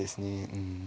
うん。